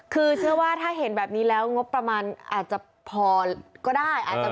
คือเชื่อว่าถ้าเห็นแบบนี้แล้วงบประมาณอาจจะพอก็ได้